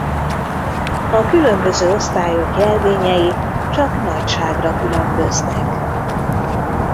A különböző osztályok jelvényei csak nagyságra különböznek.